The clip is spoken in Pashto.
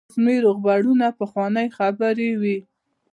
رسمي روغبړونه پخوانۍ خبرې وي.